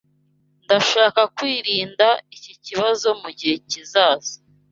Ndashaka kwirinda iki kibazo mugihe kizaza.